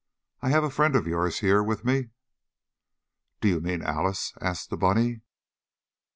I have a friend of yours here with me!" "Do you mean Alice?" asked the bunny.